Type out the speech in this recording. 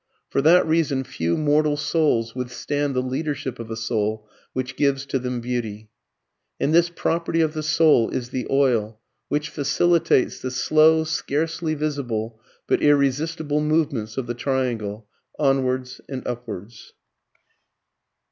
For that reason few mortal souls withstand the leadership of a soul which gives to them beauty." [Footnote: De la beaute interieure.] And this property of the soul is the oil, which facilitates the slow, scarcely visible but irresistible movement of the triangle, onwards and upwards.